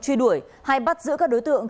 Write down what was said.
truy đuổi hay bắt giữ các đối tượng